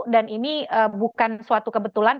dan ini bukan suatu kebetulan